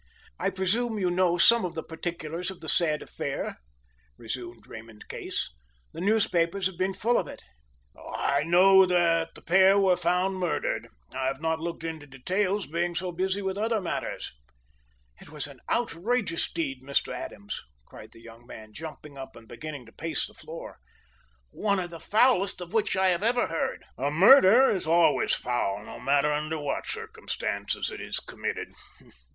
"I presume you know some of the particulars of the sad affair," resumed Raymond Case. "The newspapers have been full of it." "I know that the pair were found murdered. I have not looked into details, being so busy with other matters." "It was an outrageous deed, Mr. Adams!" cried the young man, jumping up and beginning to pace the floor. "One of the foulest of which I have ever heard." "A murder is always foul, no matter under what circumstances it is committed.